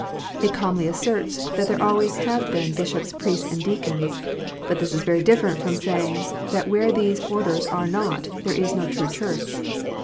It calmly asserts that there always have been bishops, priests, and deacons. But this is very different from saying that where these orders are not there is no true Church.